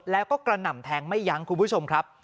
แล้วก็กระหน่ำแทงไม่ยั้งคุณผู้ชมครับ